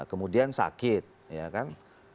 kemudian sakit ya kan